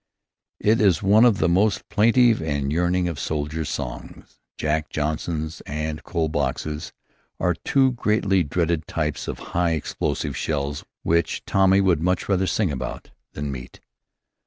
It is one of the most plaintive and yearning of soldiers' songs. Jack Johnsons and coal boxes are two greatly dreaded types of high explosive shells which Tommy would much rather sing about than meet.